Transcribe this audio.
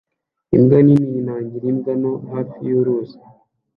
imbwa nini yinangira imbwa nto hafi yuruzi